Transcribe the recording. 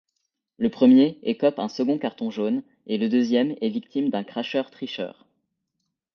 Le premier écope un second carton jaune et le deuxième est victime d'un cracheur-tricheur.